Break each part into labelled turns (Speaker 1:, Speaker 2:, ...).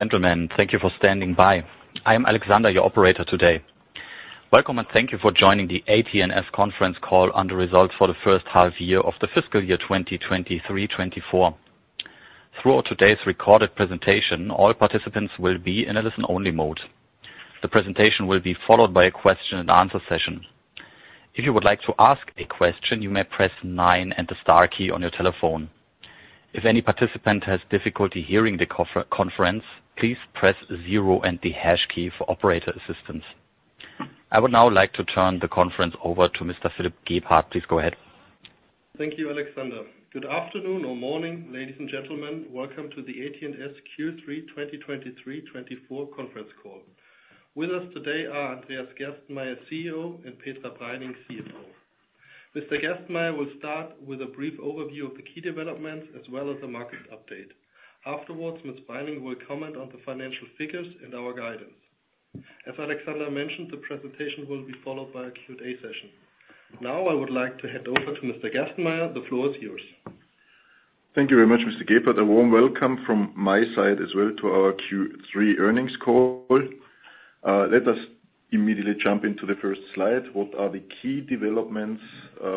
Speaker 1: Gentlemen, thank you for standing by. I am Alexander, your operator today. Welcome, and thank you for joining the AT&S conference call on the results for the first half year of the fiscal year 2023 to 2024. Throughout today's recorded presentation, all participants will be in a listen-only mode. The presentation will be followed by a question-and-answer session. If you would like to ask a question, you may press nine and the star key on your telephone. If any participant has difficulty hearing the conference, please press zero and the hash key for operator assistance. I would now like to turn the conference over to Mr. Philipp Gebhardt. Please go ahead.
Speaker 2: Thank you, Alexander. Good afternoon or morning, ladies and gentlemen. Welcome to the AT&S Q3 2023, 2024 conference call. With us today are Andreas Gerstenmayer, Chief Executive Officer, and Petra Preining, Chief Financial Officer. Mr. Gerstenmayer will start with a brief overview of the key developments as well as a market update. Afterwards, Ms. Preining will comment on the financial figures and our guidance. As Alexander mentioned, the presentation will be followed by a Q&A session. Now, I would like to hand over to Mr. Gerstenmayer. The floor is yours.
Speaker 3: Thank you very much, Mr. Gebhardt. A warm welcome from my side as well to our Q3 earnings call. Let us immediately jump into the first slide. What are the key developments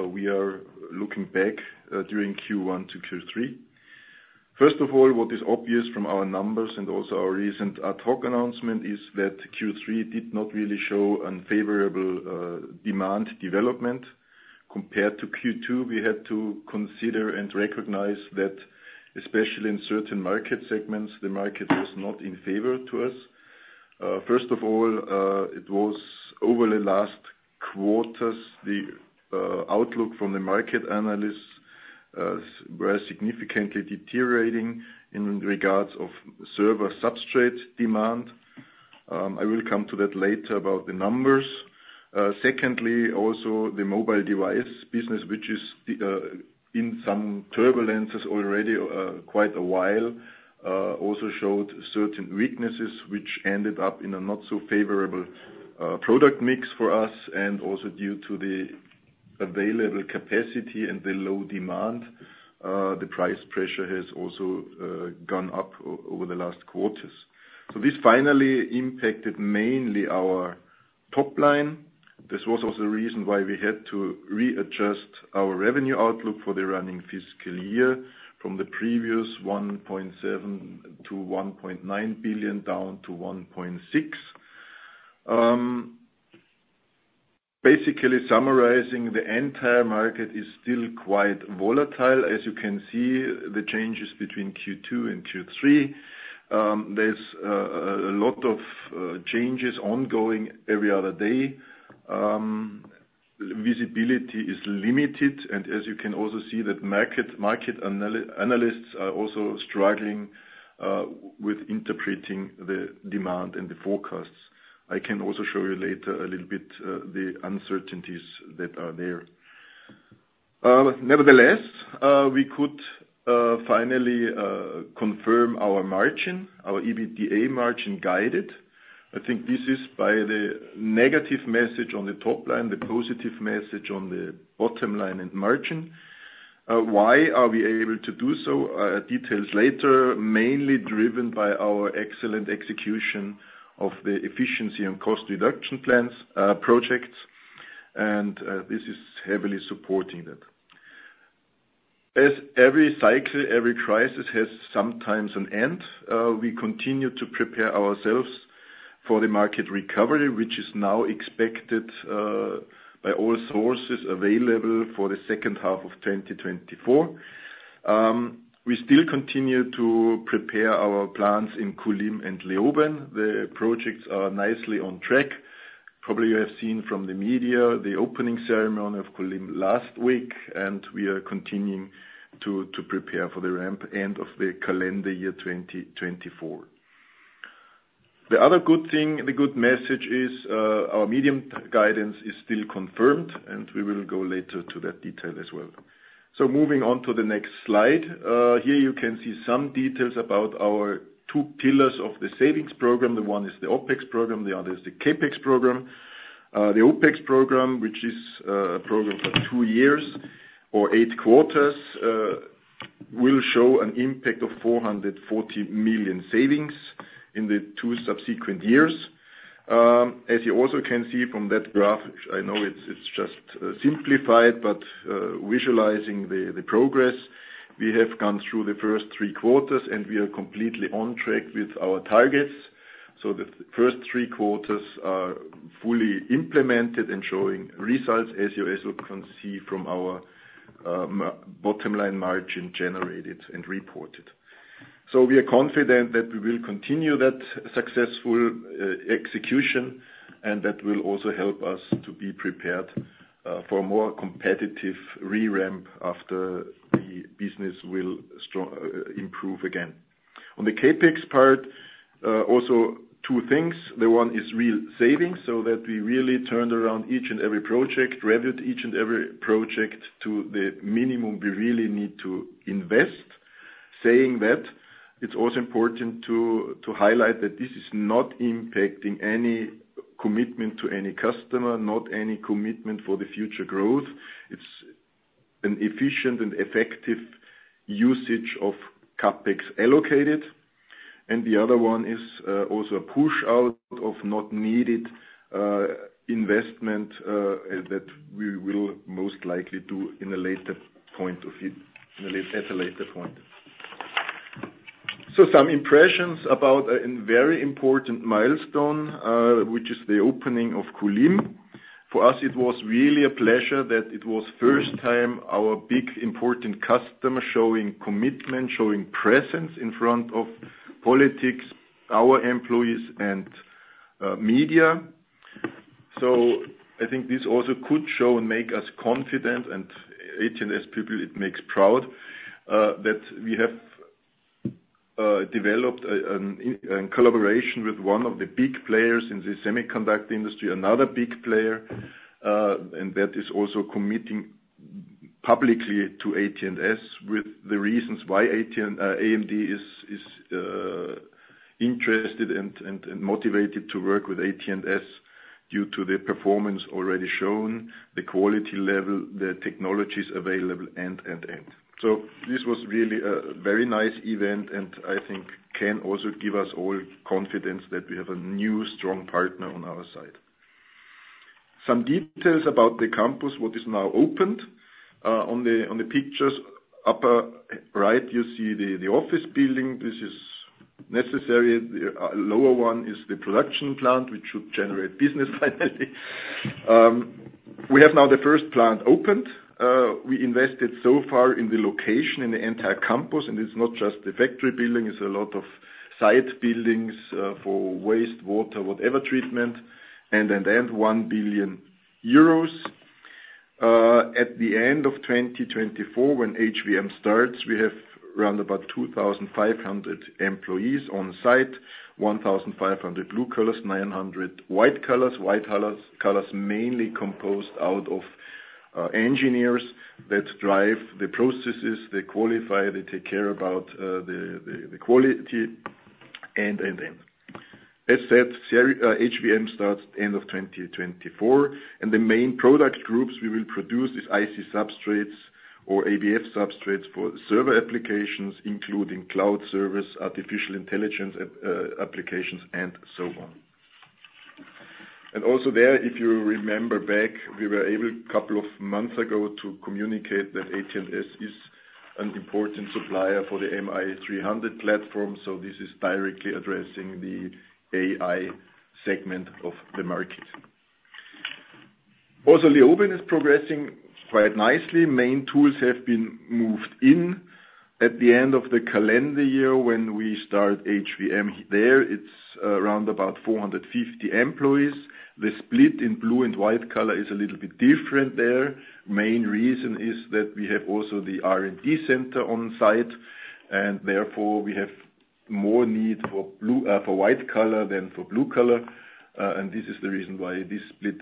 Speaker 3: we are looking back during Q1 to Q3? First of all, what is obvious from our numbers and also our recent ad hoc announcement is that Q3 did not really show unfavorable demand development. Compared to Q2, we had to consider and recognize that, especially in certain market segments, the market was not in favor to us. First of all, it was over the last quarters, the outlook from the market analysts were significantly deteriorating in regards of server substrate demand. I will come to that later about the numbers. Second, the mobile device business, which is in some turbulences already quite a while, also showed certain weaknesses, which ended up in a not so favorable product mix for us, and also due to the available capacity and the low demand, the price pressure has also gone up over the last quarters. So this finally impacted mainly our top line. This was also the reason why we had to readjust our revenue outlook for the running fiscal year from the previous 1.7 billion to 1.9 billion, down to 1.6 billion. Basically summarizing, the entire market is still quite volatile. As you can see, the changes between Q2 and Q3, there's a lot of changes ongoing every other day. Visibility is limited, and as you can also see, that market analysts are also struggling with interpreting the demand and the forecasts. I can also show you later a little bit the uncertainties that are there. Nevertheless, we could finally confirm our margin, our EBITDA margin guided. I think this is by the negative message on the top line, the positive message on the bottom line and margin. Why are we able to do so? Details later, mainly driven by our excellent execution of the efficiency and cost reduction plans, projects, and this is heavily supporting it. As every cycle, every crisis has sometimes an end, we continue to prepare ourselves for the market recovery, which is now expected by all sources available for the second half of 2024. We still continue to prepare our plans in Kulim and Leoben. The projects are nicely on track. Probably you have seen from the media, the opening ceremony of Kulim last week, and we are continuing to prepare for the ramp end of the calendar year 2024. The other good thing, the good message is, our medium guidance is still confirmed, and we will go later to that detail as well. So moving on to the next slide. Here you can see some details about our two pillars of the savings program. The one is the OpEx program, the other is the CapEx program. The OpEx program, which is, a program for two years or eight quarters, will show an impact of 440 million savings in the two subsequent years. As you also can see from that graph, I know it's just simplified, but visualizing the progress, we have gone through the first three quarters, and we are completely on track with our targets. So the first three quarters are fully implemented and showing results, as you also can see from our bottom-line margin generated and reported. So we are confident that we will continue that successful execution, and that will also help us to be prepared for a more competitive re-ramp after the business will improve again. On the CapEx part, also two things. The one is real savings, so that we really turned around each and every project, reviewed each and every project to the minimum we really need to invest. Saying that, it's also important to, to highlight that this is not impacting any commitment to any customer, not any commitment for the future growth. It's an efficient and effective usage of CapEx allocated. And the other one is also a push out of not needed investment that we will most likely do in a later point of it, at a later point. So some impressions about a very important milestone, which is the opening of Kulim. For us, it was really a pleasure that it was first time our big important customer showing commitment, showing presence in front of politics, our employees, and media. So I think this also could show and make us confident, and AT&S people, it makes proud, that we have developed in collaboration with one of the big players in the semiconductor industry, another big player, and that is also committing publicly to AT&S, with the reasons why AT-- AMD is interested and motivated to work with AT&S due to the performance already shown, the quality level, the technologies available, and. So this was really a very nice event, and I think can also give us all confidence that we have a new, strong partner on our side. Some details about the campus, what is now opened. On the pictures, upper right, you see the office building. This is necessary. The lower one is the production plant, which should generate business finally. We have now the first plant opened. We invested so far in the location, in the entire campus, and it's not just the factory building, it's a lot of site buildings for waste, water, whatever treatment, and 1 billion euros. At the end of 2024, when HVM starts, we have around about 2,500 employees on site, 1,500 blue collars, 900 white collars. White collars mainly composed out of engineers that drive the processes, they qualify, they take care about the quality. As said, HVM starts end of 2024, and the main product groups we will produce is IC substrates or ABF substrates for server applications, including cloud service, artificial intelligence applications, and so on. Also there, if you remember back, we were able, couple of months ago, to communicate that AT&S is an important supplier for the MI300 platform, so this is directly addressing the AI segment of the market. Also, Leoben is progressing quite nicely. Main tools have been moved in. At the end of the calendar year, when we start HVM there, it's around about 450 employees. The split in blue and white collar is a little bit different there. Main reason is that we have also the R&D center on site, and therefore, we have more need for blue, for white collar than for blue collar, and this is the reason why this split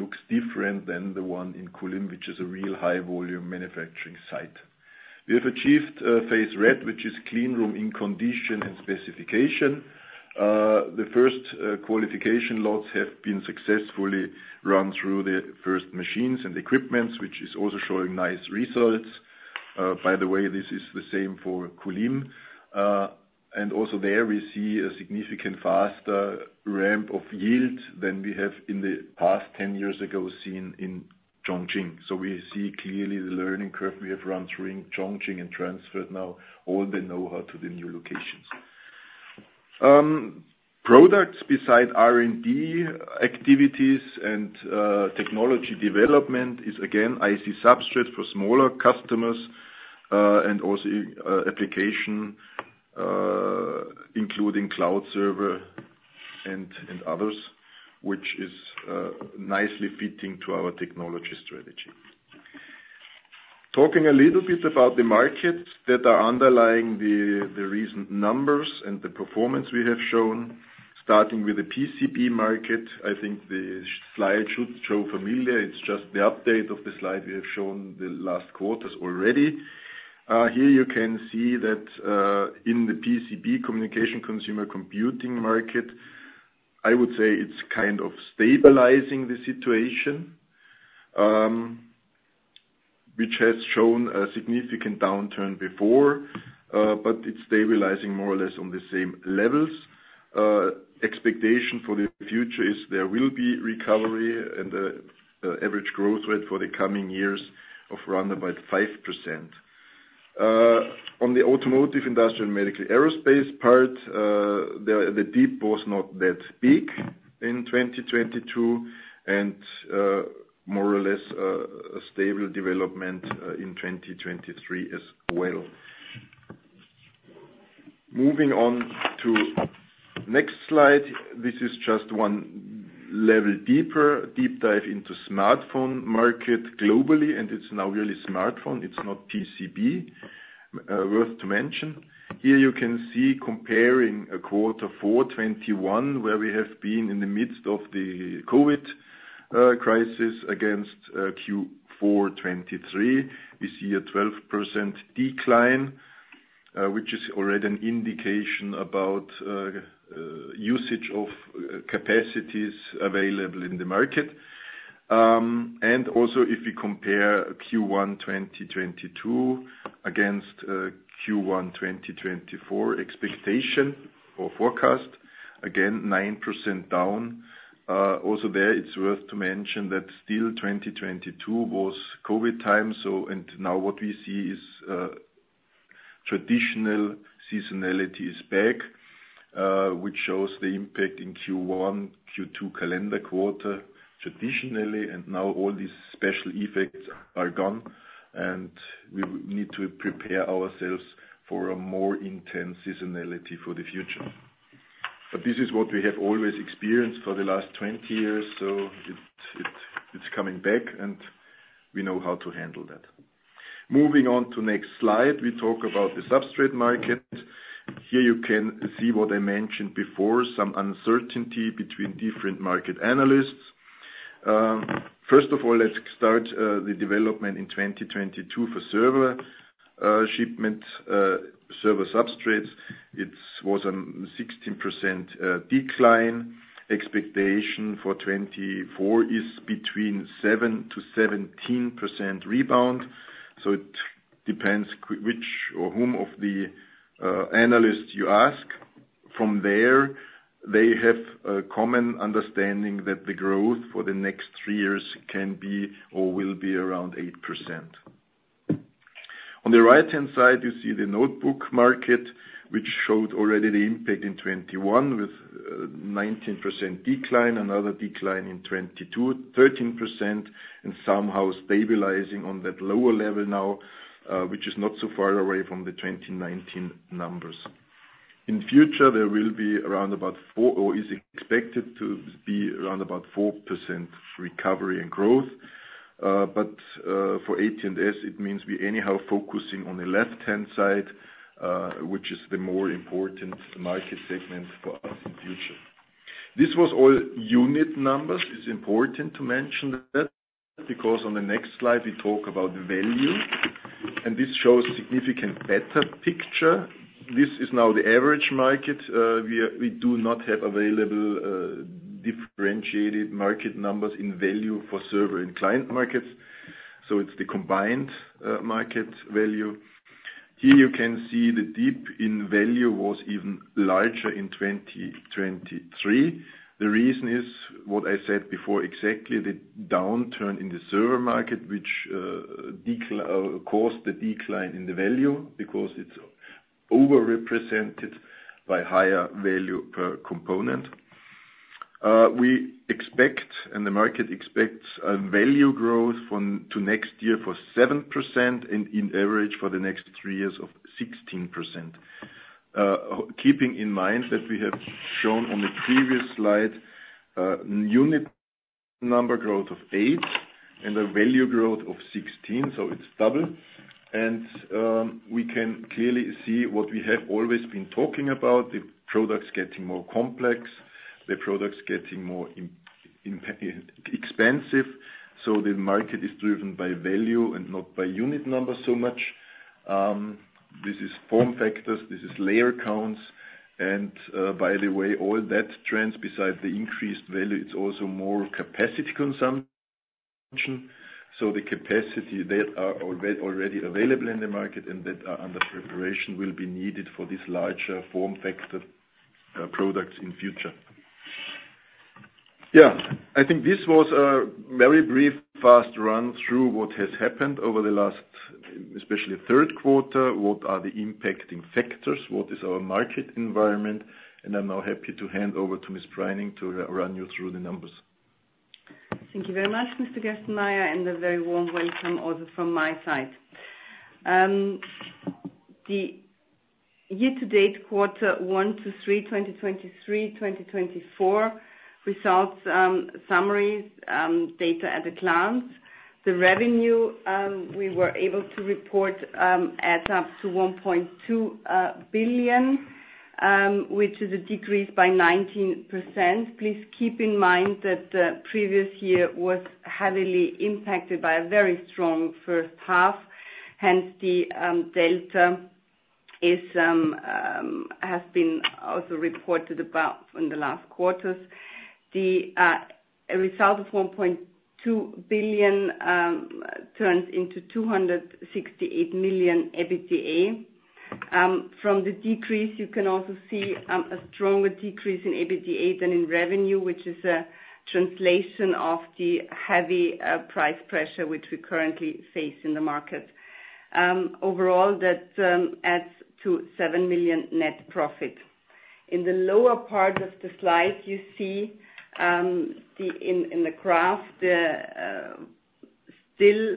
Speaker 3: looks different than the one in Kulim, which is a real high-volume manufacturing site. We have achieved phase ready, which is clean room in condition and specification. The first qualification lots have been successfully run through the first machines and equipments, which is also showing nice results. By the way, this is the same for Kulim. And also there, we see a significant faster ramp of yield than we have in the past 10 years ago, seen in Chongqing. So we see clearly the learning curve we have run through in Chongqing and transferred now all the know-how to the new locations. Products beside R&D activities and technology development is, again, IC substrates for smaller customers, and also application including cloud server and others, which is nicely fitting to our technology strategy. Talking a little bit about the markets that are underlying the recent numbers and the performance we have shown, starting with the PCB market, I think the slide should show familiar. It's just the update of the slide we have shown the last quarters already. Here you can see that, in the PCB communication consumer computing market, I would say it's kind of stabilizing the situation, which has shown a significant downturn before, but it's stabilizing more or less on the same levels. Expectation for the future is there will be recovery and, average growth rate for the coming years of around about 5%. On the automotive, industrial, medical, aerospace part, the dip was not that big in 2022, and, more or less, a stable development, in 2023 as well. Moving on to next slide. This is just one level deeper, deep dive into smartphone market globally, and it's now really smartphone, it's not PCB, worth to mention. Here you can see, comparing Q4 2021, where we have been in the midst of the COVID crisis against Q4 2023. We see a 12% decline, which is already an indication about usage of capacities available in the market. And also, if you compare Q1 2022 against Q1 2024 expectation or forecast, again, 9% down. Also there, it's worth to mention that still 2022 was COVID time, so and now what we see is traditional seasonality is back, which shows the impact in Q1, Q2 calendar quarter, traditionally, and now all these special effects are gone, and we need to prepare ourselves for a more intense seasonality for the future. But this is what we have always experienced for the last 20 years, so it's coming back, and we know how to handle that. Moving on to next slide, we talk about the substrate market. Here, you can see what I mentioned before, some uncertainty between different market analysts. First of all, let's start the development in 2022 for server shipment server substrates. It was 16% decline. Expectation for 2024 is between 7%-17% rebound, so it depends which or whom of the analysts you ask. From there, they have a common understanding that the growth for the next three years can be or will be around 8%. On the right-hand side, you see the notebook market, which showed already the impact in 2021, with 19% decline. Another decline in 2022, 13%, and somehow stabilizing on that lower level now, which is not so far away from the 2019 numbers. In future, there will be around about 4%-- or is expected to be around about 4% recovery and growth. But, for AT&S, it means we anyhow focusing on the left-hand side, which is the more important market segment for us in future. This was all unit numbers. It's important to mention that, because on the next slide, we talk about value, and this shows significant better picture. This is now the average market. We, we do not have available, differentiated market numbers in value for server and client markets, so it's the combined, market value. Here you can see the dip in value was even larger in 2023. The reason is what I said before, exactly the downturn in the server market, which caused the decline in the value, because it's overrepresented by higher value per component. We expect, and the market expects, a value growth from to next year for 7%, and in average, for the next three years, of 16%. Keeping in mind that we have shown on the previous slide, unit number growth of eight and a value growth of 16, so it's double. We can clearly see what we have always been talking about, the products getting more complex, the products getting more expensive, so the market is driven by value and not by unit numbers so much. This is form factors, this is layer counts, and, by the way, all that trends, besides the increased value, it's also more capacity consumption. So the capacity that are already available in the market and that are under preparation, will be needed for these larger form factor products in future. Yeah, I think this was a very brief, fast run through what has happened over the last, especially third quarter. What are the impacting factors? What is our market environment? And I'm now happy to hand over to Ms. Preining to run you through the numbers.
Speaker 4: Thank you very much, Mr. Gerstenmayer, and a very warm welcome also from my side. The year-to-date, quarter one to three, twenty twenty-three/twenty twenty-four results, summaries, data at a glance. The revenue we were able to report at 1.2 billion, which is a decrease by 19%. Please keep in mind that the previous year was heavily impacted by a very strong first half, hence the delta is has been also reported about in the last quarters. The result of 1.2 billion turns into 268 million EBITDA. From the decrease, you can also see a stronger decrease in EBITDA than in revenue, which is a translation of the heavy price pressure which we currently face in the market. Overall, that adds to 7 million net profit. In the lower part of the slide, you see, in the graph, the still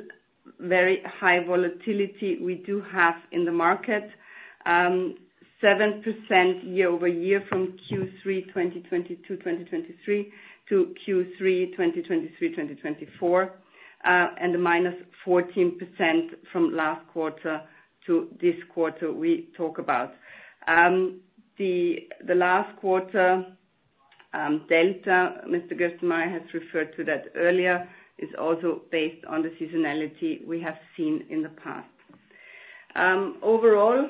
Speaker 4: very high volatility we do have in the market. 7% year-over-year from Q3 2022/2023 to Q3 2023/2024, and a -14% from last quarter to this quarter we talk about. The last quarter delta, Mr. Gerstenmayer has referred to that earlier, is also based on the seasonality we have seen in the past. Overall,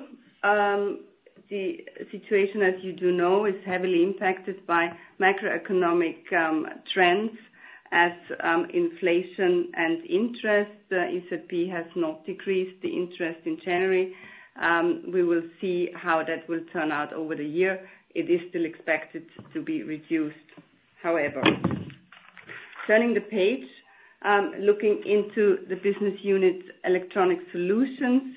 Speaker 4: the situation, as you do know, is heavily impacted by macroeconomic trends, as inflation and interest. ECB has not decreased the interest in January. We will see how that will turn out over the year. It is still expected to be reduced, however. Turning the page, looking into the business unit Electronic Solutions,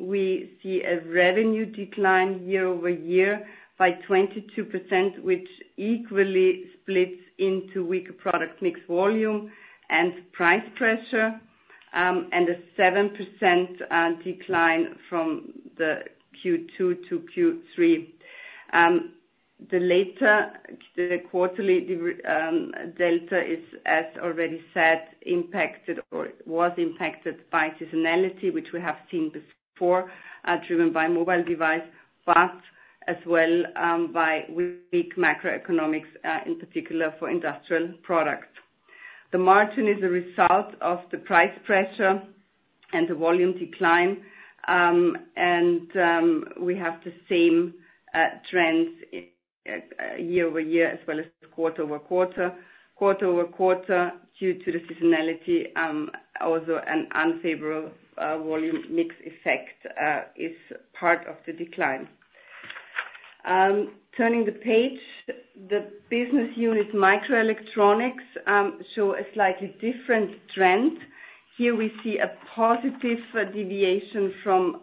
Speaker 4: we see a revenue decline year-over-year by 22%, which equally splits into weaker product mix volume and price pressure, and a 7% decline from the Q2 to Q3. The latter, the quarterly delta is, as already said, impacted or was impacted by seasonality, which we have seen before, driven by mobile device, but as well, by weak macroeconomics, in particular for industrial products. The margin is a result of the price pressure and the volume decline, and we have the same trends year-over-year as well as quarter-over-quarter. Quarter-over-quarter, due to the seasonality, also an unfavorable volume mix effect is part of the decline. Turning the page, the business unit Microelectronics show a slightly different trend. Here we see a positive deviation from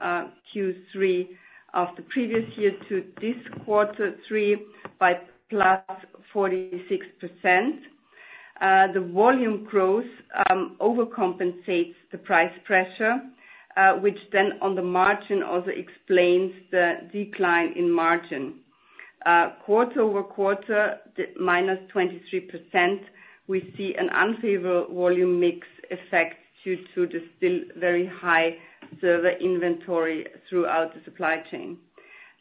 Speaker 4: Q3 of the previous year to this quarter three by +46%. The volume growth overcompensates the price pressure, which then on the margin also explains the decline in margin. Quarter-over-quarter, the -23%, we see an unfavorable volume mix effect due to the still very high server inventory throughout the supply chain.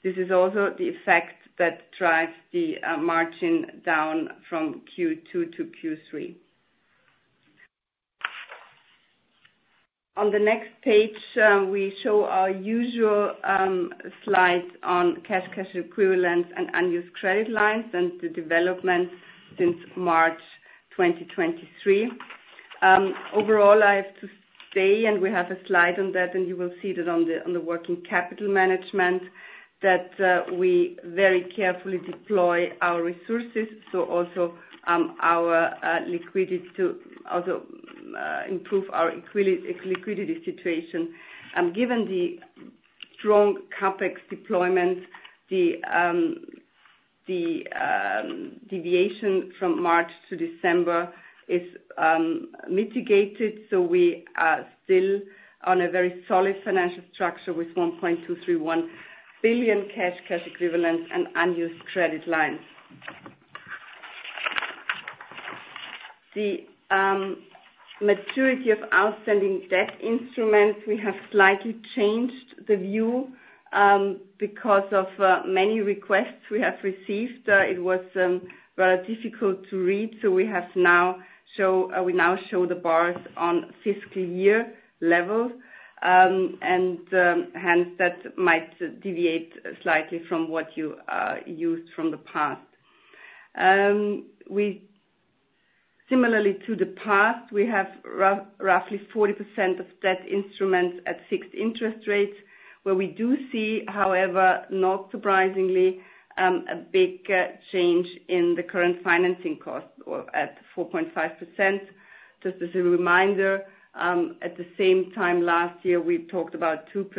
Speaker 4: This is also the effect that drives the margin down from Q2 to Q3. On the next page, we show our usual slide on cash, cash equivalents, and unused credit lines, and the development since March 2023. Overall, I have to say, and we have a slide on that, and you will see that on the working capital management, that we very carefully deploy our resources, so also our liquidity to also improve our liquidity situation. Given the strong CapEx deployment, the deviation from March to December is mitigated, so we are still on a very solid financial structure with 1.231 billion cash, cash equivalents, and unused credit lines. The maturity of outstanding debt instruments, we have slightly changed the view because of many requests we have received. It was rather difficult to read, so we now show the bars on fiscal year level. And hence, that might deviate slightly from what you used from the past. We similarly to the past, we have roughly 40% of debt instruments at fixed interest rates, where we do see, however, not surprisingly, a big change in the current financing cost or at 4.5%. Just as a reminder, at the same time last year, we talked about 2%.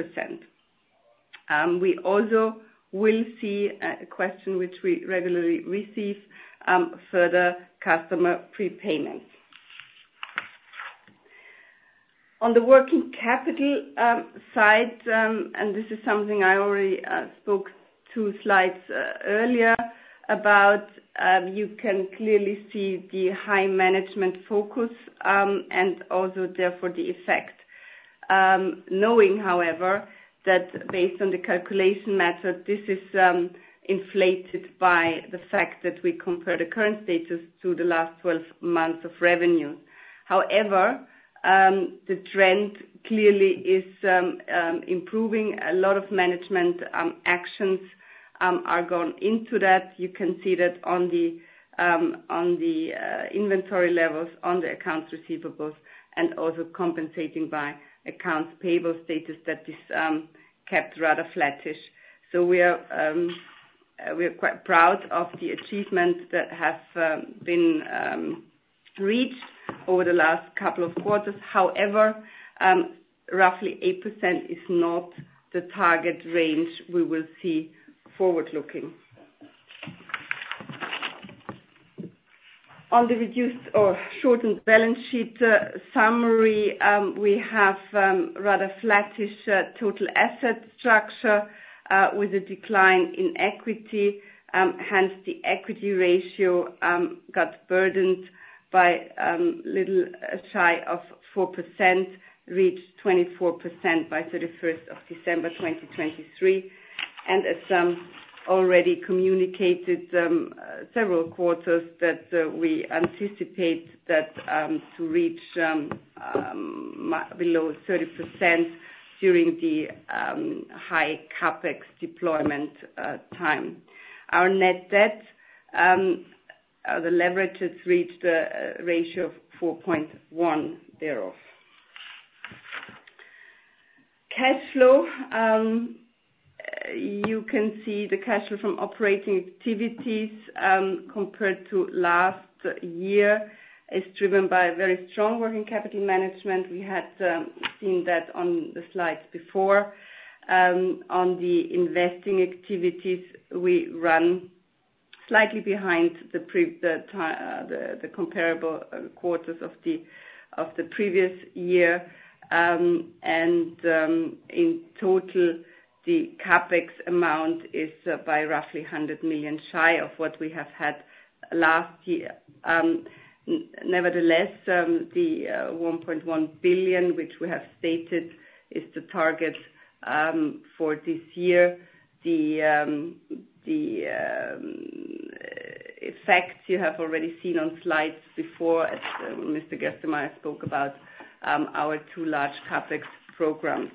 Speaker 4: We also will see a question which we regularly receive, further customer prepayments. On the working capital side, and this is something I already spoke 2 slides earlier about, you can clearly see the high management focus, and also therefore the effect. Knowing, however, that based on the calculation method, this is inflated by the fact that we compare the current status to the last 12 months of revenue. However, the trend clearly is improving. A lot of management actions are gone into that. You can see that on the inventory levels, on the accounts receivables, and also compensating by accounts payable status that is kept rather flattish. So we are quite proud of the achievements that have been reached over the last couple of quarters. However, roughly 8% is not the target range we will see forward-looking. On the reduced or shortened balance sheet summary, we have rather flattish total asset structure with a decline in equity. Hence, the equity ratio got burdened by little shy of 4%, reached 24% by 31st of December, 2023. As already communicated several quarters that we anticipate that below 30% during the high CapEx deployment time. Our net debt, the leverage has reached a ratio of four point one thereof. Cash flow, you can see the cash flow from operating activities compared to last year, is driven by very strong working capital management. We had seen that on the slides before. On the investing activities, we run slightly behind the comparable quarters of the previous year. In total, the CapEx amount is by roughly 100 million shy of what we have had last year. Nevertheless, the 1.1 billion, which we have stated, is the target for this year. The effects you have already seen on slides before, as Mr. Gerstenmayer spoke about, our two large CapEx programs.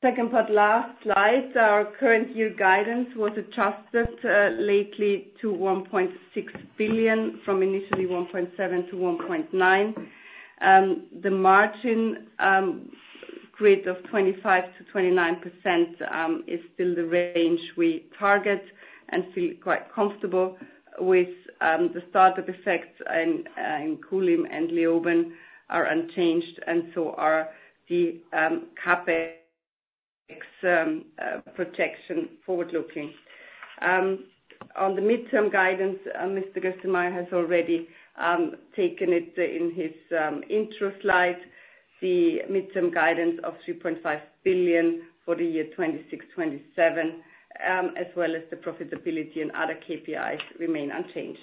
Speaker 4: Second but last slide, our current year guidance was adjusted lately to 1.6 billion, from initially 1.7 billion to 1.9 billion. The margin grid of 25% to 29% is still the range we target and feel quite comfortable with. The startup effects in Kulim and Leoben are unchanged, and so are the CapEx protection forward looking. On the midterm guidance, Mr. Gerstenmayer has already taken it in his intro slide. The midterm guidance of 3.5 billion for the year 2026, 2027, as well as the profitability and other KPIs remain unchanged.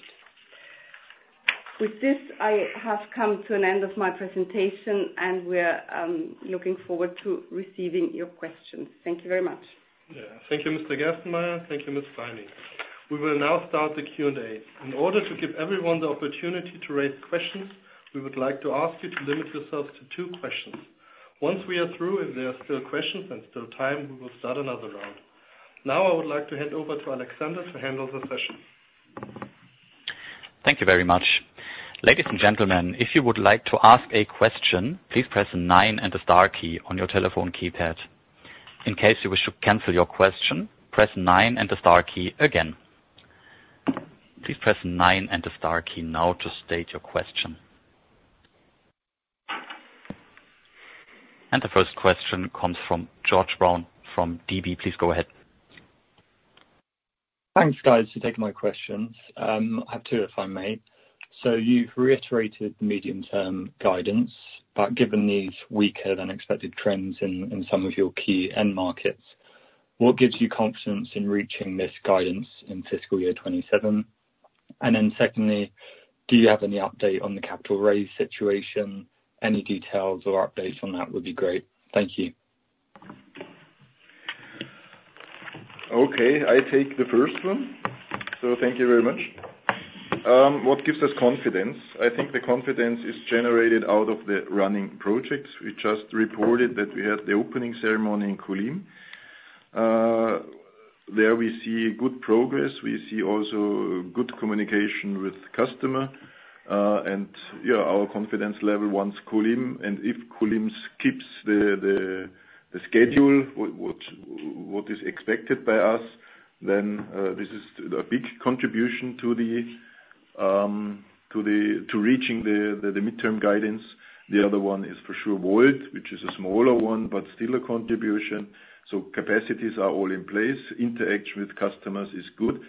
Speaker 4: With this, I have come to an end of my presentation, and we're looking forward to receiving your questions. Thank you very much.
Speaker 2: Yeah. Thank you, Mr. Gerstenmayer. Thank you, Ms. Preining. We will now start the Q&A. In order to give everyone the opportunity to raise questions, we would like to ask you to limit yourselves to two questions. Once we are through, if there are still questions and still time, we will start another round. Now, I would like to hand over to Alexander to handle the session.
Speaker 1: Thank you very much. Ladies and gentlemen, if you would like to ask a question, please press nine and the star key on your telephone keypad. In case you wish to cancel your question, press nine and the star key again. Please press nine and the star key now to state your question. The first question comes from George Brown, from DB. Please go ahead.
Speaker 5: Thanks, guys, for taking my questions. I have two, if I may. So you've reiterated the medium-term guidance, but given these weaker than expected trends in some of your key end markets, what gives you confidence in reaching this guidance in fiscal year 2027? And then secondly, do you have any update on the capital raise situation? Any details or updates on that would be great. Thank you.
Speaker 3: Okay, I take the first one. So thank you very much. What gives us confidence? I think the confidence is generated out of the running projects. We just reported that we had the opening ceremony in Kulim. There we see good progress. We see also good communication with the customer, and, yeah, our confidence level, once Kulim, and if Kulim keeps the schedule, what is expected by us, then, this is a big contribution to the to reaching the midterm guidance. The other one is for sure, which is a smaller one, but still a contribution. So capacities are all in place. Interaction with customers is good,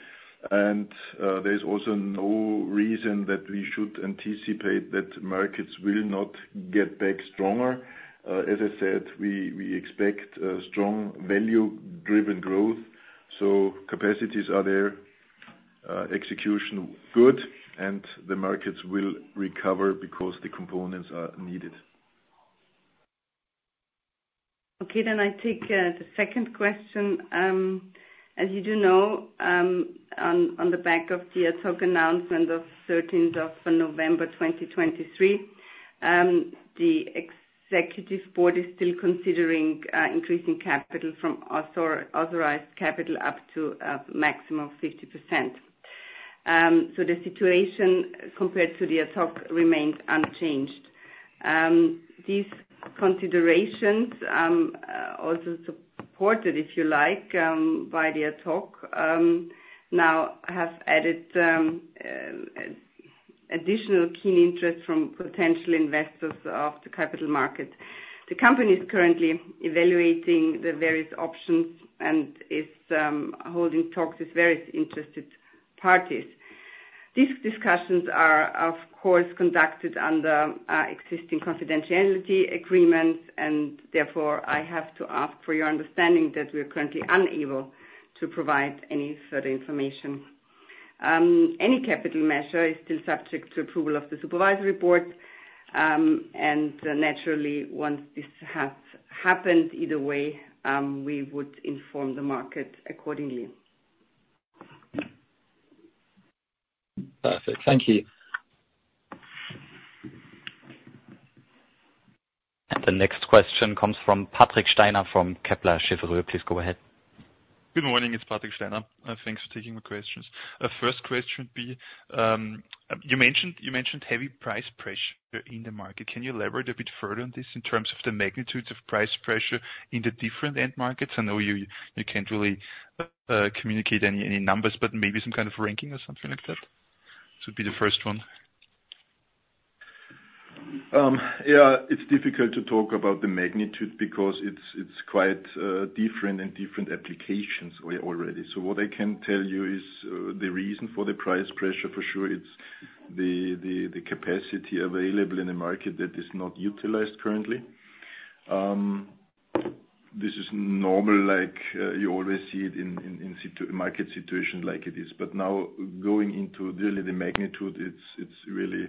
Speaker 3: and there is also no reason that we should anticipate that markets will not get back stronger. As I said, we expect a strong value-driven growth, so capacities are there, execution good, and the markets will recover because the components are needed.
Speaker 4: Okay, then I take the second question. As you do know, on the back of the ad hoc announcement of thirteenth of November 2023, the executive board is still considering increasing capital from authorized capital up to a maximum of 50%. So the situation compared to the ad hoc remains unchanged. These considerations also supported, if you like, by the ad hoc, now have added additional key interest from potential investors of the capital market. The company is currently evaluating the various options and is holding talks with various interested parties. These discussions are, of course, conducted under existing confidentiality agreements, and therefore I have to ask for your understanding that we are currently unable to provide any further information. Any capital measure is still subject to approval of the supervisory board, and naturally, once this has happened, either way, we would inform the market accordingly.
Speaker 5: Perfect. Thank you.
Speaker 1: The next question comes from Patrick Steiner from Kepler Cheuvreux. Please go ahead.
Speaker 6: Good morning, it's Patrick Steiner. Thanks for taking my questions. First question: you mentioned, you mentioned heavy price pressure in the market. Can you elaborate a bit further on this in terms of the magnitudes of price pressure in the different end markets? I know you, you can't really communicate any, any numbers, but maybe some kind of ranking or something like that? This would be the first one.
Speaker 3: Yeah, it's difficult to talk about the magnitude because it's quite different in different applications already. So what I can tell you is, the reason for the price pressure, for sure, it's the capacity available in the market that is not utilized currently. This is normal, like, you always see it in such market situation like it is. But now, going into really the magnitude, it's really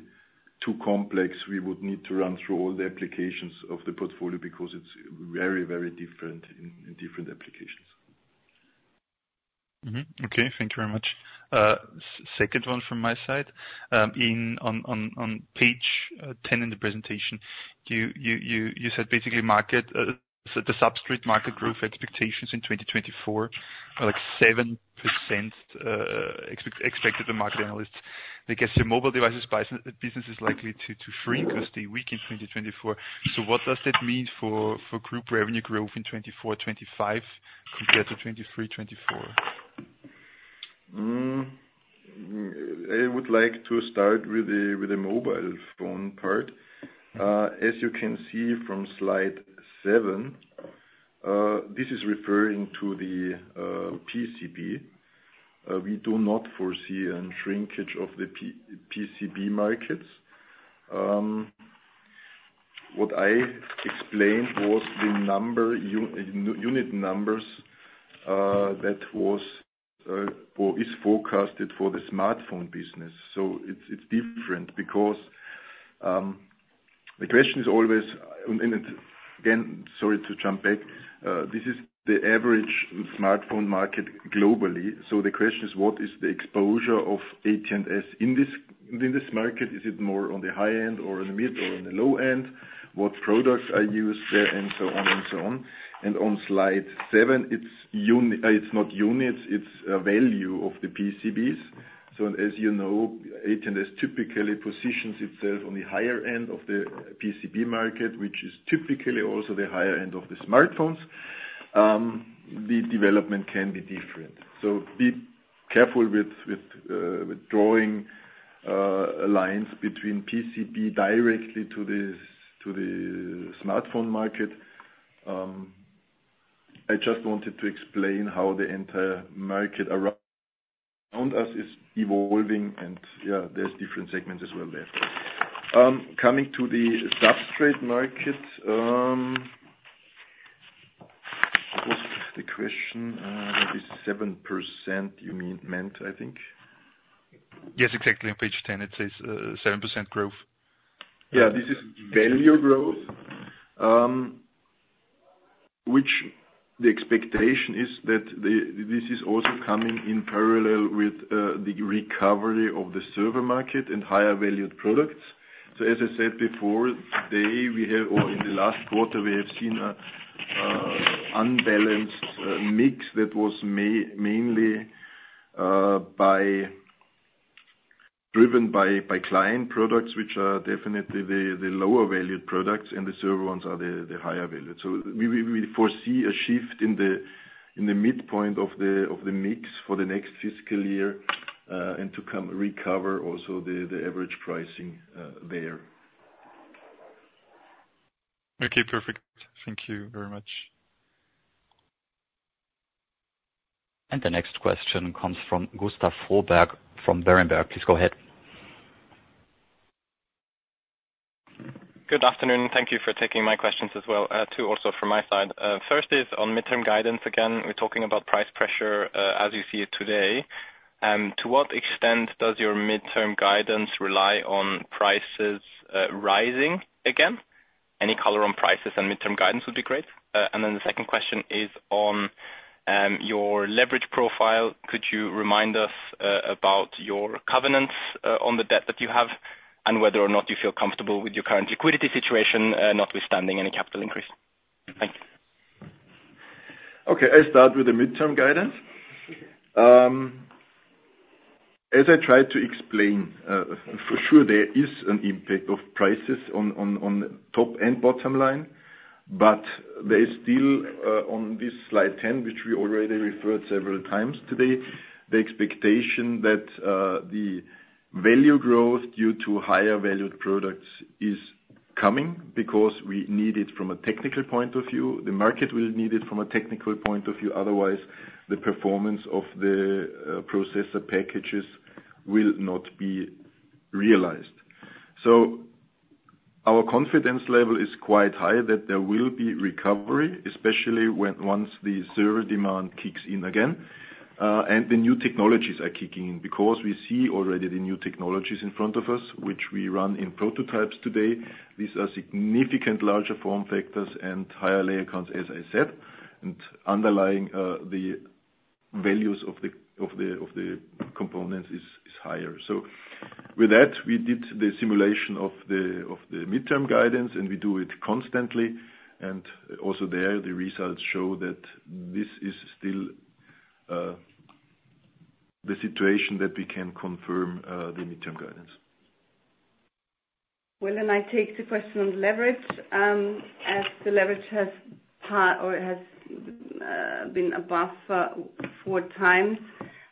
Speaker 3: too complex. We would need to run through all the applications of the portfolio because it's very, very different in different applications.
Speaker 6: Mm-hmm. Okay, thank you very much. Second one from my side. On page ten in the presentation, you said basically market so the substrate market growth expectations in 2024 are, like, 7%, expected the market analysts. I guess your mobile devices business is likely to shrink as they weak in 2024. So what does that mean for group revenue growth in 2024, 2025 compared to 2023, 2024?
Speaker 3: I would like to start with the mobile phone part. As you can see from slide seven, this is referring to the PCB. We do not foresee a shrinkage of the PCB markets. What I explained was the number, unit numbers, that was or is forecasted for the smartphone business. So it's different because the question is always, and again, sorry to jump back, this is the average smartphone market globally. So the question is: What is the exposure of AT&S in this market? Is it more on the high end or on the mid or on the low end? What products are used there? And so on and so on. And on slide seven, it's not units, it's a value of the PCBs. So as you know, AT&S typically positions itself on the higher end of the PCB market, which is typically also the higher end of the smartphones. The development can be different. So be careful with, with, drawing lines between PCB directly to the smartphone market. I just wanted to explain how the entire market around us is evolving, and, yeah, there's different segments as well there. Coming to the substrate market, what was the question? Maybe 7%, you meant, I think.
Speaker 6: Yes, exactly. On page 10, it says, 7% growth.
Speaker 3: Yeah, this is value growth, which the expectation is that this is also coming in parallel with the recovery of the server market and higher valued products. So as I said before, today, we have, or in the last quarter, we have seen a unbalanced mix that was mainly driven by client products, which are definitely the lower valued products, and the server ones are the higher valued. So we foresee a shift in the midpoint of the mix for the next fiscal year, and to come recover also the average pricing there.
Speaker 6: Okay, perfect. Thank you very much.
Speaker 1: The next question comes from Gustav Froberg from Berenberg. Please go ahead.
Speaker 7: Good afternoon. Thank you for taking my questions as well, two also from my side. First is on midterm guidance. Again, we're talking about price pressure, as you see it today. To what extent does your midterm guidance rely on prices, rising again? Any color on prices and midterm guidance would be great. And then the second question is on, your leverage profile. Could you remind us, about your covenants, on the debt that you have, and whether or not you feel comfortable with your current liquidity situation, notwithstanding any capital increase? Thank you.
Speaker 3: Okay, I start with the midterm guidance. As I tried to explain, for sure, there is an impact of prices on top and bottom line, but there is still on this slide 10, which we already referred several times today, the expectation that the value growth due to higher valued products is coming because we need it from a technical point of view. The market will need it from a technical point of view, otherwise, the performance of the processor packages will not be realized. Our confidence level is quite high that there will be recovery, especially once the server demand kicks in again, and the new technologies are kicking in. Because we see already the new technologies in front of us, which we run in prototypes today. These are significant larger form factors and higher layer counts, as I said, and underlying the values of the components is higher. So with that, we did the simulation of the midterm guidance, and we do it constantly. And also there, the results show that this is still the situation that we can confirm the midterm guidance.
Speaker 4: Well, then I take the question on leverage. As the leverage has been above 4x,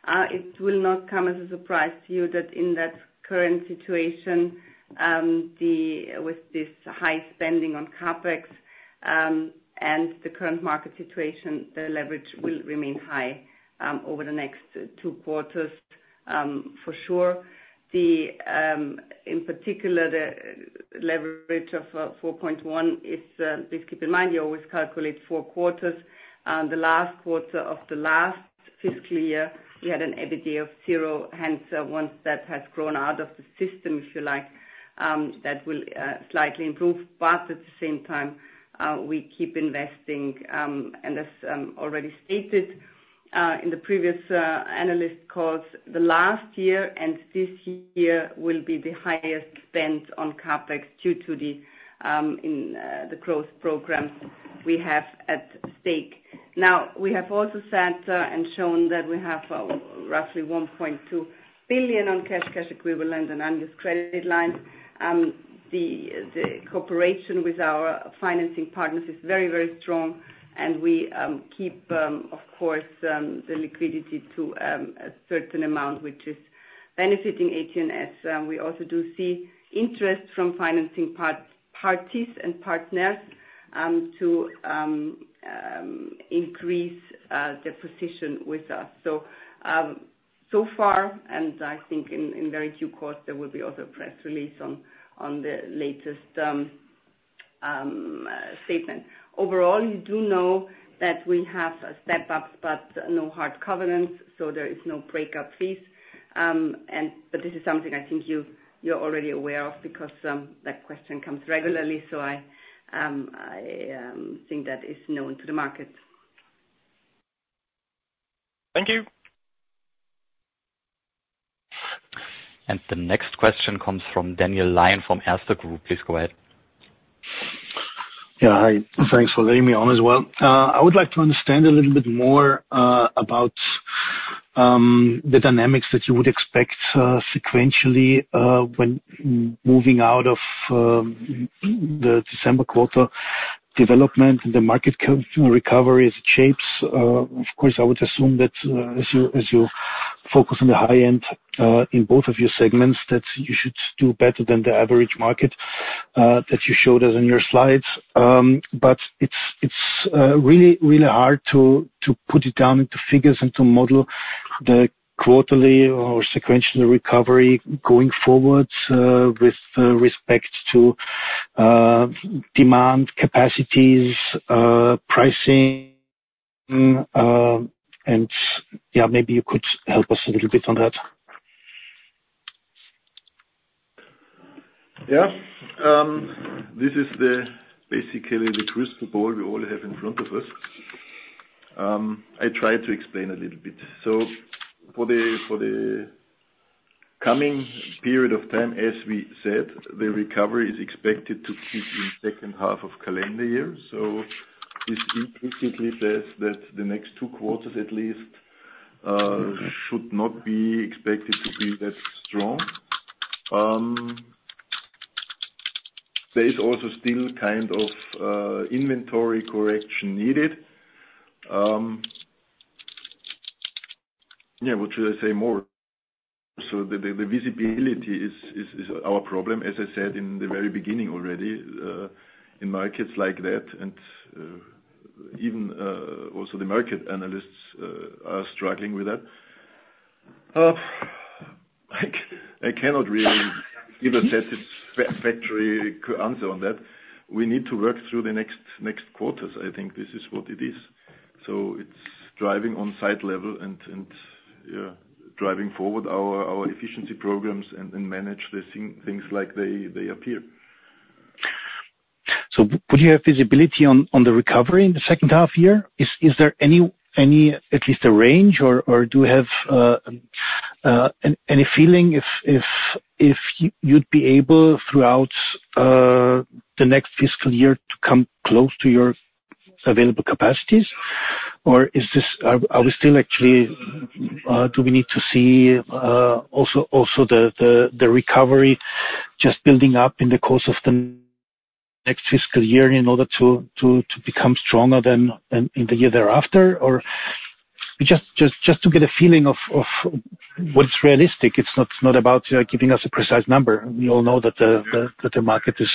Speaker 4: it will not come as a surprise to you that in that current situation, with this high spending on CapEx and the current market situation, the leverage will remain high over the next two quarters, for sure. In particular, the leverage of four point one is, please keep in mind, you always calculate four quarters. The last quarter of the last fiscal year, we had an EBITDA of zero, hence, once that has grown out of the system, if you like, that will slightly improve. But at the same time, we keep investing, and as already stated in the previous analyst calls, the last year and this year will be the highest spend on CapEx due to the growth programs we have at stake. Now, we have also said and shown that we have roughly 1.2 billion on cash, cash equivalents and unused credit lines. The cooperation with our financing partners is very, very strong, and we keep, of course, the liquidity to a certain amount, which is benefiting AT&S. We also do see interest from financing parties and partners to increase their position with us. So far, and I think in due course, there will be also a press release on the latest statement. Overall, you do know that we have a step up, but no hard covenants, so there is no breakup fees. But this is something I think you're already aware of, because that question comes regularly. So I think that is known to the market.
Speaker 7: Thank you.
Speaker 1: And the next question comes from Daniel Lion from Erste Group. Please go ahead.
Speaker 8: Yeah, hi. Thanks for letting me on as well. I would like to understand a little bit more about the dynamics that you would expect sequentially when moving out of the December quarter development and the market recovery shapes. Of course, I would assume that as you focus on the high end in both of your segments, that you should do better than the average market that you showed us in your slides. But it's really, really hard to put it down into figures and to model the quarterly or sequential recovery going forward with respect to demand, capacities, pricing, and yeah, maybe you could help us a little bit on that.
Speaker 3: Yeah. This is basically the crystal ball we all have in front of us. I tried to explain a little bit. So for the coming period of time, as we said, the recovery is expected to peak in second half of calendar year. So this implicitly says that the next two quarters, at least, should not be expected to be that strong. There is also still kind of inventory correction needed. Yeah, what should I say more? So the visibility is our problem, as I said in the very beginning already, in markets like that, and even also the market analysts are struggling with that. I cannot really give a satisfactory answer on that. We need to work through the next quarters. I think this is what it is. So it's driving on site level and driving forward our efficiency programs and manage the things like they appear.
Speaker 8: So would you have visibility on the recovery in the second half year? Is there any, at least a range, or do you have any feeling if you'd be able, throughout the next fiscal year, to come close to your available capacities? Or is this. Are we still actually, do we need to see also the recovery just building up in the course of the next fiscal year in order to become stronger than in the year thereafter? Or just to get a feeling of what's realistic. It's not about giving us a precise number. We all know that the market is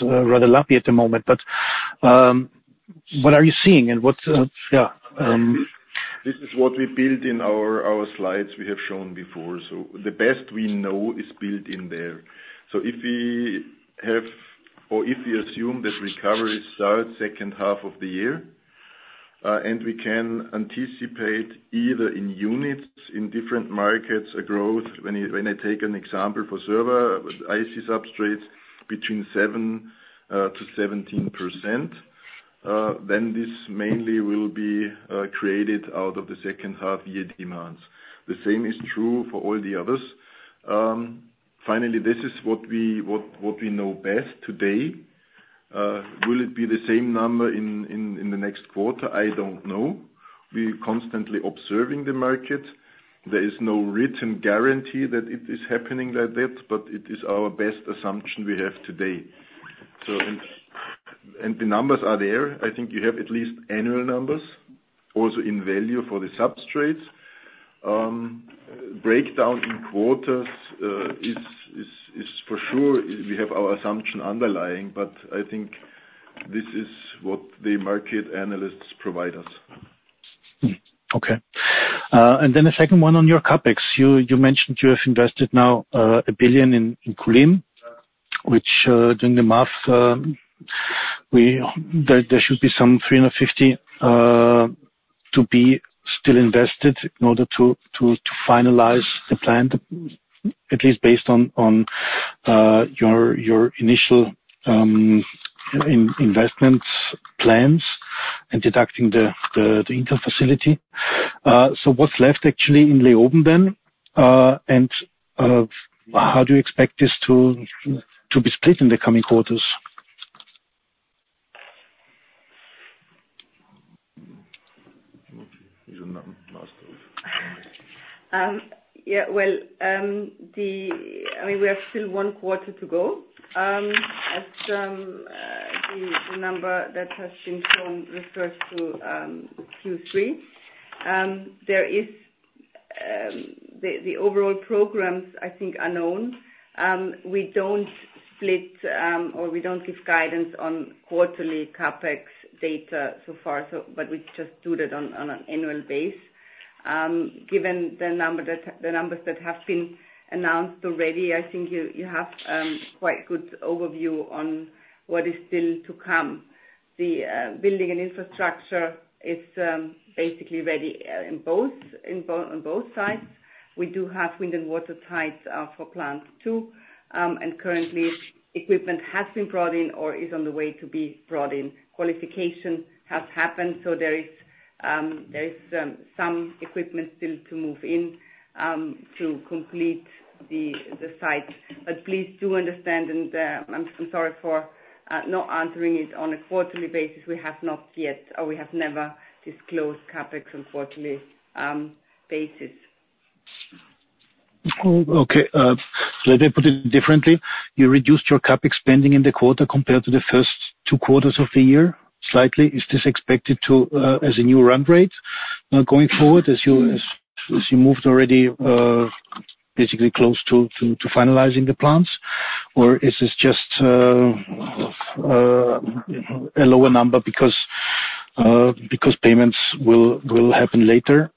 Speaker 8: rather lumpy at the moment, but. What are you seeing and what's yeah.
Speaker 3: This is what we built in our slides we have shown before. So the best we know is built in there. So if we have, or if we assume that recovery starts second half of the year, and we can anticipate either in units, in different markets, a growth. When I take an example for server IC substrates between 7% to 17%, then this mainly will be created out of the second half year demands. The same is true for all the others. Finally, this is what we know best today. Will it be the same number in the next quarter? I don't know. We're constantly observing the market. There is no written guarantee that it is happening like that, but it is our best assumption we have today. So, the numbers are there. I think you have at least annual numbers, also in value for the substrates. Breakdown in quarters is for sure, we have our assumption underlying, but I think this is what the market analysts provide us.
Speaker 8: And then the second one on your CapEx. You mentioned you have invested now 1 billion in Kulim, which, doing the math, there should be some 350 million to be still invested in order to finalize the plan, at least based on your initial investments plans and deducting the interfacility. So what's left actually in Leoben then? And how do you expect this to be split in the coming quarters?
Speaker 3: These are not.
Speaker 4: Yeah, well, I mean, we have still one quarter to go. As the number that has been shown refers to Q3. There is the overall programs, I think, are known. We don't split, or we don't give guidance on quarterly CapEx data so far, but we just do that on an annual basis. Given the numbers that have been announced already, I think you have quite good overview on what is still to come. The building and infrastructure is basically ready in both on both sides. We do have wind and water tight for plants too. And currently, equipment has been brought in or is on the way to be brought in. Qualification has happened, so there is some equipment still to move in to complete the site. But please do understand, and I'm sorry for not answering it. On a quarterly basis, we have not yet, or we have never disclosed CapEx on quarterly basis.
Speaker 8: Oh, okay. Let me put it differently. You reduced your CapEx spending in the quarter compared to the first two quarters of the year, slightly. Is this expected to, as a new run rate, going forward, as you moved already, basically close to finalizing the plans? Or is this just a lower number because payments will happen later?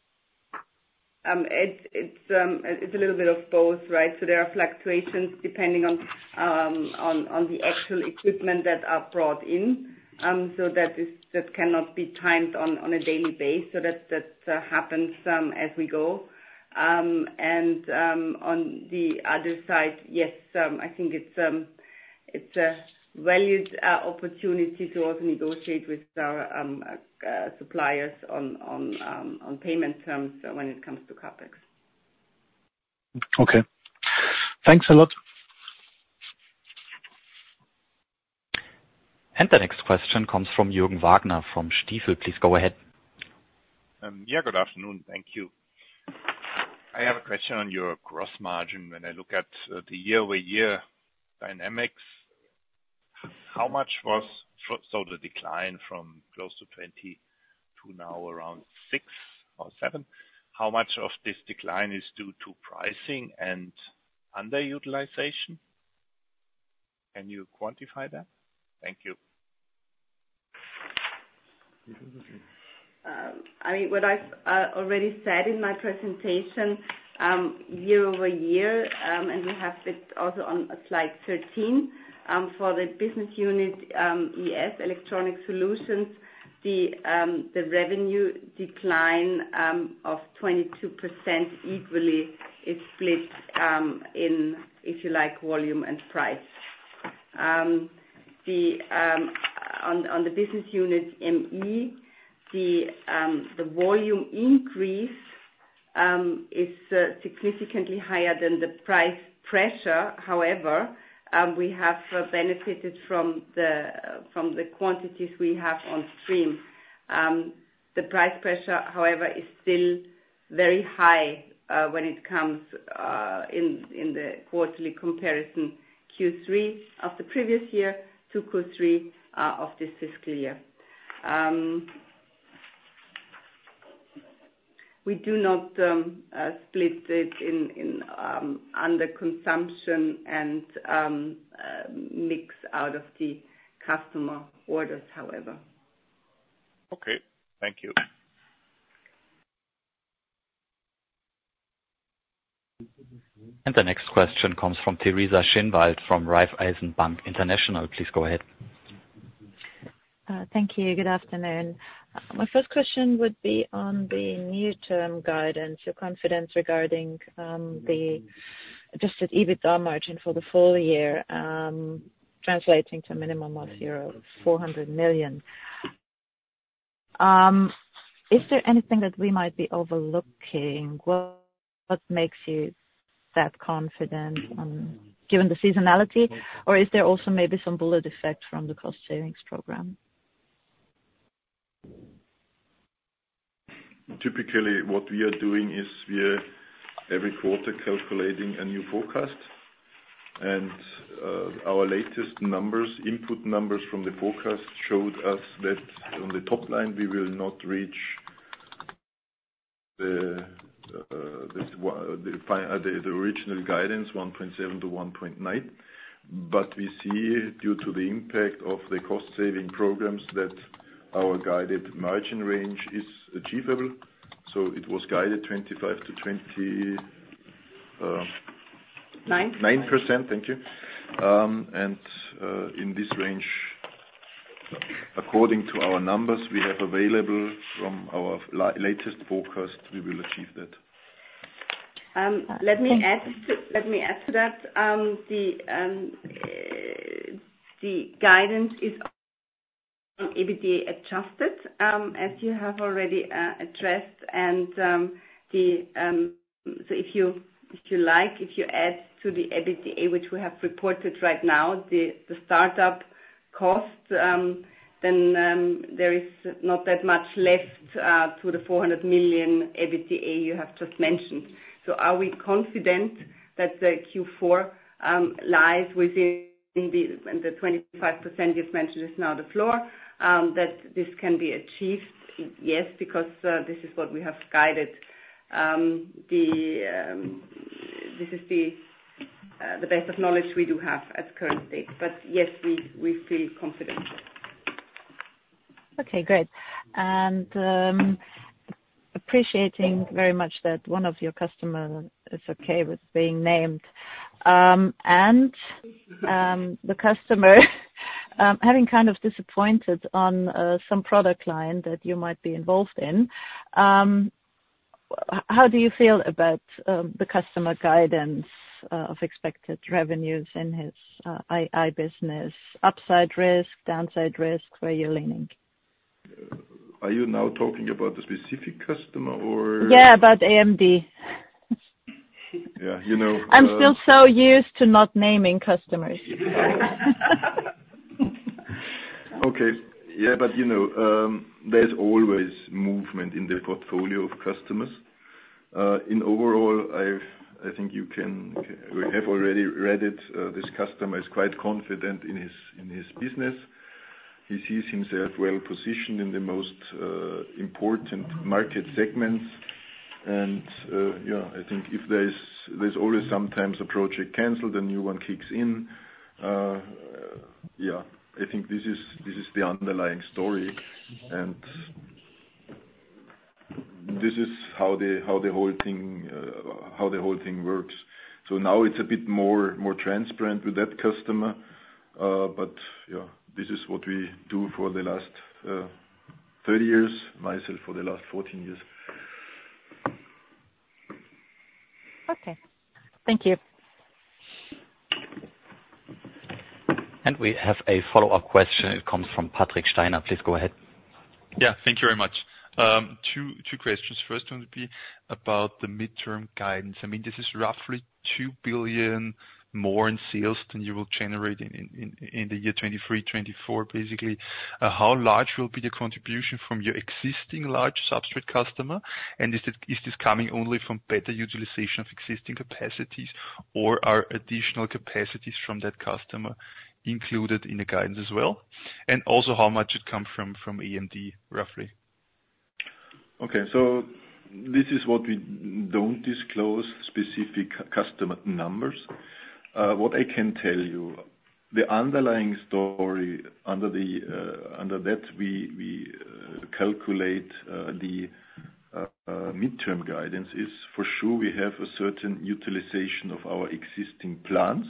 Speaker 4: It's a little bit of both, right? So there are fluctuations depending on the actual equipment that are brought in. So that cannot be timed on a daily basis, so that happens as we go. And on the other side, yes, I think it's a valued opportunity to also negotiate with our suppliers on payment terms when it comes to CapEx.
Speaker 8: Okay. Thanks a lot.
Speaker 1: The next question comes from Jürgen Wagner, from Stifel. Please go ahead.
Speaker 9: Yeah, good afternoon. Thank you. I have a question on your gross margin. When I look at the year-over-year dynamics, how much was... So the decline from close to 20% to now around 6% or 7%, how much of this decline is due to pricing and underutilization? Can you quantify that? Thank you.
Speaker 4: I mean, what I've already said in my presentation, year-over-year, and we have it also on slide 13, for the business unit ES, Electronic Solutions, the revenue decline of 22% equally is split, in, if you like, volume and price. On the business unit ME, the volume increase is significantly higher than the price pressure. However, we have benefited from the quantities we have on stream. The price pressure, however, is still very high when it comes in the quarterly comparison, Q3 of the previous year to Q3 of this fiscal year. We do not split it in under consumption and mix out of the customer orders, however.
Speaker 9: Okay, thank you.
Speaker 1: The next question comes from Teresa Schinwald, from Raiffeisen Bank International. Please go ahead.
Speaker 10: Thank you, good afternoon. My first question would be on the new term guidance, your confidence regarding the adjusted EBITDA margin for the full year, translating to a minimum of 400 million. Is there anything that we might be overlooking? What, what makes you that confident on, given the seasonality, or is there also maybe some bullet effect from the cost savings program?
Speaker 3: Typically, what we are doing is we are every quarter calculating a new forecast. Our latest numbers, input numbers from the forecast showed us that on the top line, we will not reach this one, the original guidance, 1.7-1.9. But we see due to the impact of the cost saving programs, that our guided margin range is achievable. So it was guided 25% to 20%.
Speaker 4: Nine.
Speaker 3: 9%, thank you. In this range, according to our numbers we have available from our latest forecast, we will achieve that.
Speaker 4: Let me add to that. The guidance is on EBITDA adjusted, as you have already addressed. So if you like, if you add to the EBITDA, which we have reported right now, the startup cost, then there is not that much left to the 400 million EBITDA you have just mentioned. So are we confident that the Q4 lies within the 25% you've mentioned is now the floor, that this can be achieved? Yes, because this is what we have guided. This is the best of knowledge we do have at current state. But yes, we feel confident.
Speaker 10: Okay, great. Appreciating very much that one of your customer is okay with being named. The customer having kind of disappointed on some product line that you might be involved in. How do you feel about the customer guidance of expected revenues in his AI business? Upside risk, downside risk, where you're leaning?
Speaker 3: Are you now talking about a specific customer or?
Speaker 10: Yeah, about AMD.
Speaker 3: Yeah, you know,
Speaker 10: I'm still so used to not naming customers.
Speaker 3: Okay. Yeah, but, you know, there's always movement in the portfolio of customers. In overall, I think we have already read it, this customer is quite confident in his, in his business. He sees himself well positioned in the most important market segments. And, yeah, I think if there is, there's always sometimes a project canceled, a new one kicks in. Yeah, I think this is, this is the underlying story, and this is how the, how the whole thing, how the whole thing works. So now it's a bit more, more transparent with that customer, but, yeah, this is what we do for the last 30 years, myself, for the last 14 years.
Speaker 10: Okay. Thank you.
Speaker 1: We have a follow-up question. It comes from Patrick Steiner. Please go ahead.
Speaker 6: Yeah, thank you very much. Two questions. First one would be about the midterm guidance. I mean, this is roughly 2 billion more in sales than you will generate in the year 2023, 2024, basically. How large will be the contribution from your existing large substrate customer? And is it, is this coming only from better utilization of existing capacities, or are additional capacities from that customer included in the guidance as well? And also, how much it come from AMD, roughly?
Speaker 3: Okay, so this is what we don't disclose, specific customer numbers. What I can tell you, the underlying story under that, we calculate the midterm guidance is for sure we have a certain utilization of our existing plants,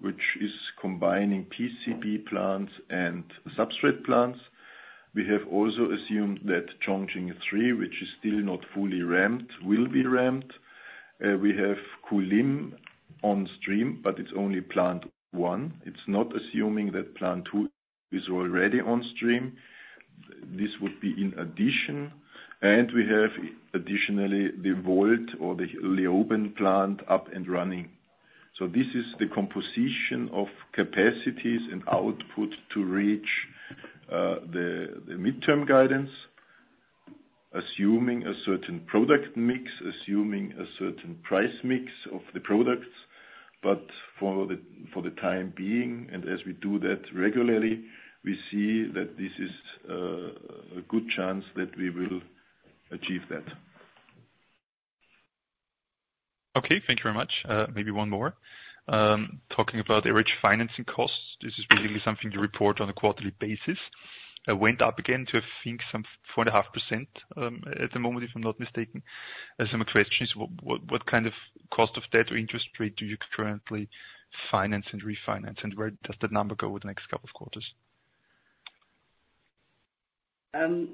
Speaker 3: which is combining PCB plants and substrate plants. We have also assumed that Chongqing III, which is still not fully ramped, will be ramped. We have Kulim on stream, but it's only plant one. It's not assuming that plant two is already on stream. This would be in addition, and we have additionally the or the Leoben plant up and running. So this is the composition of capacities and output to reach the midterm guidance, assuming a certain product mix, assuming a certain price mix of the products. But for the time being, and as we do that regularly, we see that this is a good chance that we will achieve that.
Speaker 6: Okay, thank you very much. Maybe one more. Talking about average financing costs, this is really something you report on a quarterly basis. It went up again to, I think, some 4.5%, at the moment, if I'm not mistaken. Some questions—what kind of cost of debt or interest rate do you currently finance and refinance, and where does that number go with the next couple of quarters?
Speaker 4: Thank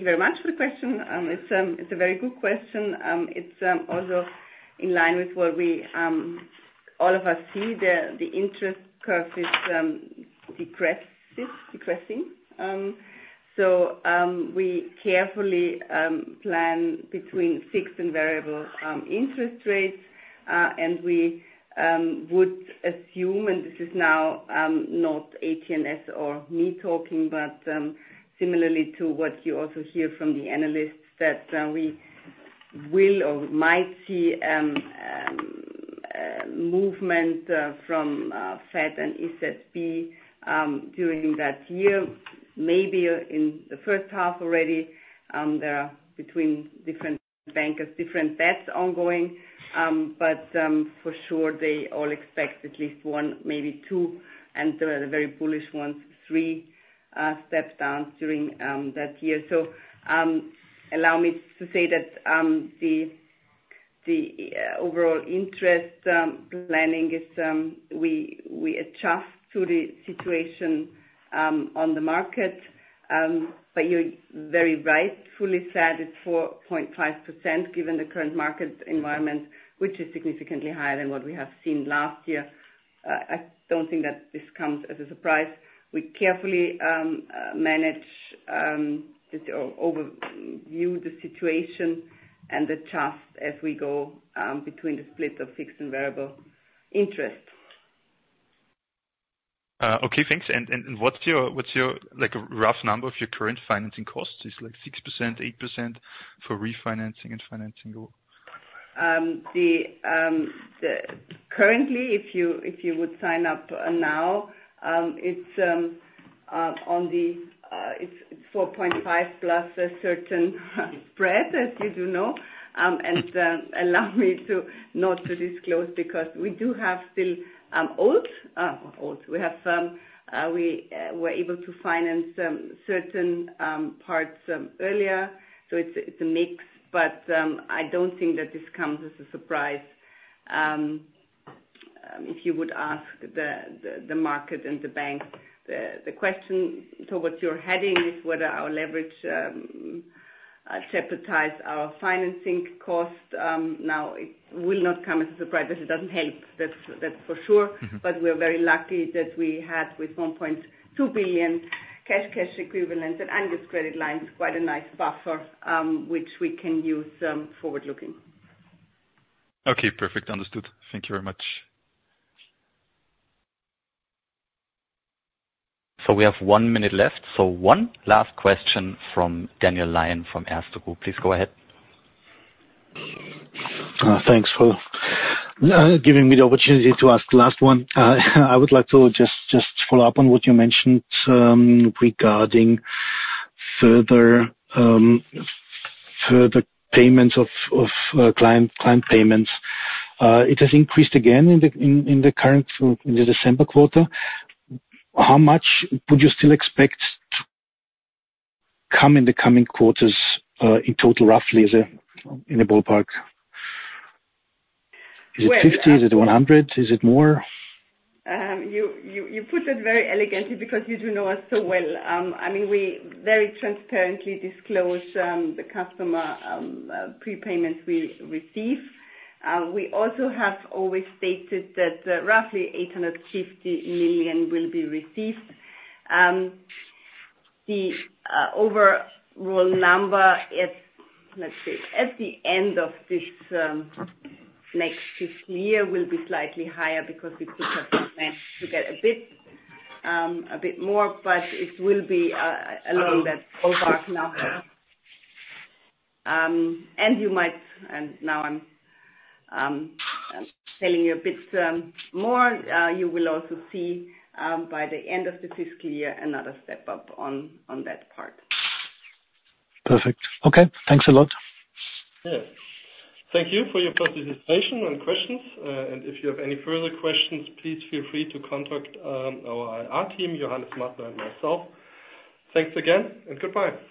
Speaker 4: you very much for the question. It's a very good question. It's also in line with what we all of us see, the interest curve is depressing. So, we carefully plan between fixed and variable interest rates. And we would assume, and this is now not AT&S or me talking, but similarly to what you also hear from the analysts, that we will or might see movement from Fed and ECB during that year. Maybe in the first half already, there are between different bankers, different bets ongoing. But for sure, they all expect at least one, maybe two, and the very bullish ones, three steps down during that year. Allow me to say that the overall interest planning is we adjust to the situation on the market. But you're very rightfully said, it's 4.5%, given the current market environment, which is significantly higher than what we have seen last year. I don't think that this comes as a surprise. We carefully manage this or overview the situation and adjust as we go between the split of fixed and variable interest.
Speaker 6: Okay, thanks. And what's your, like, a rough number of your current financing costs? Is it, like, 6%, 8% for refinancing and financing your?
Speaker 4: Currently, if you would sign up now, it's four point five plus a certain spread, as you do know. And allow me to not disclose, because we do have still old, we were able to finance certain parts earlier. So it's a mix, but I don't think that this comes as a surprise. If you would ask the market and the bank the question, so what you're heading is whether our leverage appetite is our financing cost. Now, it will not come as a surprise, but it doesn't help. That's for sure.
Speaker 6: Mm-hmm.
Speaker 4: We are very lucky that we had, with 1.2 billion cash, cash equivalents and, and this credit line, quite a nice buffer, which we can use, forward-looking.
Speaker 6: Okay, perfect. Understood. Thank you very much.
Speaker 1: So we have one minute left, so one last question from Daniel Lion from Erste Group. Please go ahead.
Speaker 8: Thanks for giving me the opportunity to ask the last one. I would like to just follow up on what you mentioned regarding further payments of client payments. It has increased again in the current December quarter. How much would you still expect to come in the coming quarters, in total, roughly, as a ballpark?
Speaker 4: Well, uh-
Speaker 8: Is it 50? Is it 100? Is it more?
Speaker 4: You put that very elegantly because you do know us so well. I mean, we very transparently disclose the customer prepayment we receive. We also have always stated that roughly 850 million will be received. The overall number at, let's say, at the end of this next fiscal year, will be slightly higher because we do have the plans to get a bit more, but it will be along that ballpark number. And now I'm telling you a bit more, you will also see by the end of the fiscal year, another step up on that part.
Speaker 8: Perfect. Okay, thanks a lot.
Speaker 2: Yeah. Thank you for your participation and questions. If you have any further questions, please feel free to contact our IR team, Johannes Martin and myself. Thanks again, and goodbye.